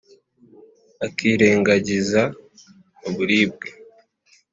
akirengagiza uburibwe,